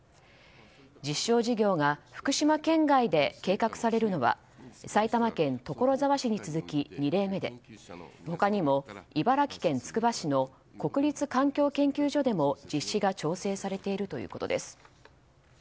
実証事業が福島県外で計画されるのは埼玉県所沢市に続き２例目で他にも、茨城県つくば市の国立環境研究所でも実施が調整されているということです。